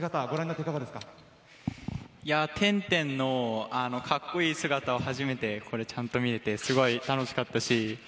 てんてんの格好いい姿を初めてちゃんと見れてすごい、楽しかったし。